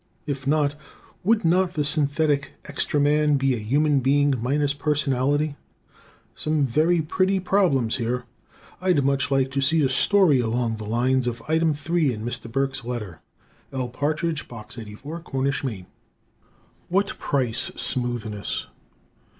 If not, would not the synthetic "Extra Man" be a human being minus personality? Some very pretty problems here. I'd much like to see a story along the lines of item 3 in Mr. Burks' letter. L. Partridge, Box 84, Cornish, Me. _What Price Smoothness?